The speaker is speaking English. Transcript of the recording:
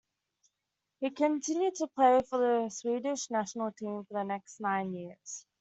He continued to play for the Swedish national team for the next nine years.